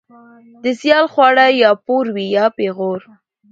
ـ د سيال خواړه يا پور وي يا پېغور.